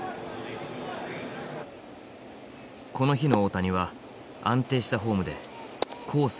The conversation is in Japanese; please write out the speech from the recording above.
この日の大谷は安定したフォームでコース